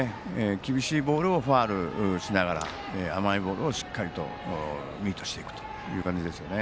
厳しいボールをファウルしながら甘いボールをしっかりとミートしていくということですよね。